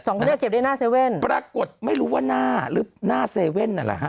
สองคนเนี่ยเก็บได้หน้า๗ปรากฏไม่รู้ว่าหน้าหรือหน้า๗นั่นแหละฮะ